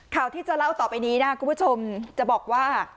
ข่าวที่จะเล่าต่อไปนี้นะคุณผู้ชมจะบอกว่า